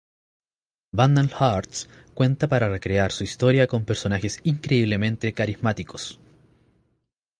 Vandal Hearts cuenta para recrear su historia con personajes increíblemente carismáticos.